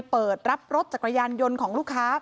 เปิดรับรถจักรยานยนต์ของลูกค้า